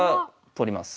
取ります。